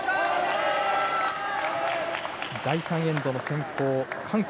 第３エンドの先攻、韓国。